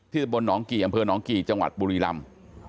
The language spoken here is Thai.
ตะบนหนองกี่อำเภอหนองกี่จังหวัดบุรีลำ